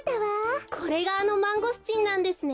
これがあのマンゴスチンなんですね。